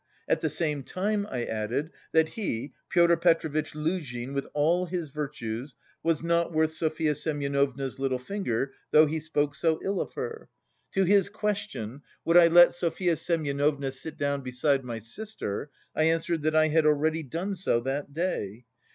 At the same time I added that he, Pyotr Petrovitch Luzhin, with all his virtues, was not worth Sofya Semyonovna's little finger, though he spoke so ill of her. To his question would I let Sofya Semyonovna sit down beside my sister, I answered that I had already done so that day.